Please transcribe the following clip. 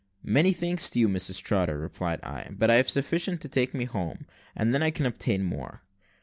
"Many thanks to you, Mrs Trotter," replied I; "but I have sufficient to take me home, and then I can obtain more."